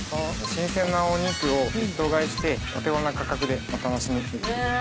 新鮮なお肉を一頭買いしてお手頃な価格でお楽しみ。へ。